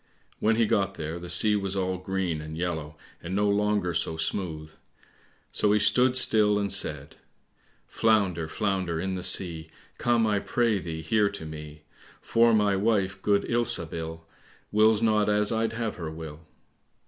When he got there the sea was all green and yellow, and no longer so smooth; so he stood still and said, "Flounder, flounder in the sea, Come, I pray thee, here to me; For my wife, good Ilsabil, Wills not as I'd have her will."